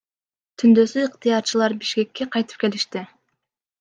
Түндөсү ыктыярчылар Бишкекке кайтып келишти.